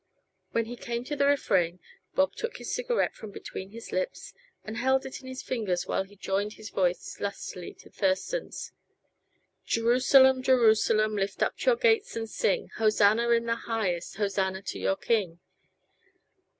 When he came to the refrain Bob took his cigarette from between his lips and held it in his fingers while he joined his voice lustily to Thurston's: "Jerusalem, Jerusalem, Lift up your gates and sing Hosanna in the high est. Hosanna to your King!"